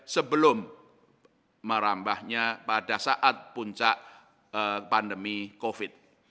sebelum merambahnya pada saat puncak pandemi covid